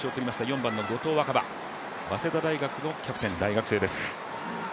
４番の後藤若葉、早稲田大学のキャプテン、大学生です。